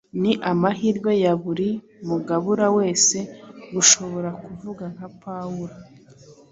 Ni amahirwe ya buri mugabura wese gushobora kuvuga nka Pawulo.